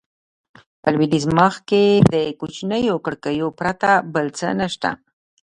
په لوېدیځ مخ کې د کوچنیو کړکیو پرته بل څه نه شته.